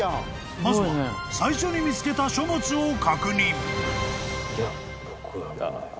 ［まずは最初に見つけた書物を確認］